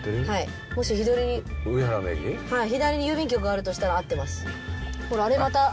はい左に郵便局があるとしたら合ってます。